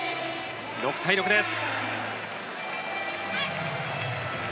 ６対６です。